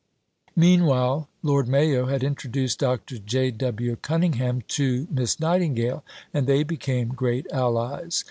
Meanwhile, Lord Mayo had introduced Dr. J. W. Cunningham to Miss Nightingale, and they became great allies.